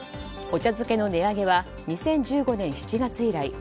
お茶漬けの値上げは２０１５年７月以来